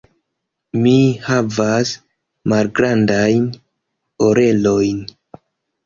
Mi havas malgrandajn orelojn.